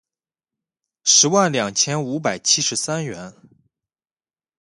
十万两千五百七十三元